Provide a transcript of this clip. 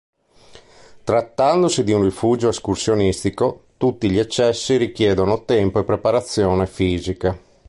Trattandosi di un rifugio escursionistico tutti gli accessi richiedono tempo e preparazione fisica.